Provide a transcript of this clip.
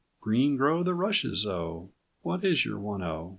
Green grow the rushes O! What is your one O?